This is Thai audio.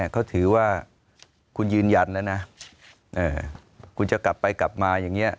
เขาถือว่าคุณยืนยันแล้วนะคุณจะกลับไปกลับมาอย่างนี้